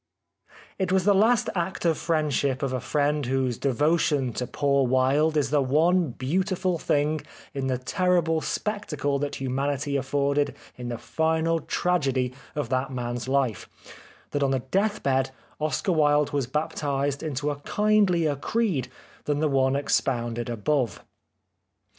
It was the last act of friendship of a friend whose devotion to poor Wilde is the one beautiful thing in the terrible spectacle that humanity afforded in the final tragedy of that man's life, that on his deathbed Oscar Wilde was baptised into a kindlier creed than the one expounded above.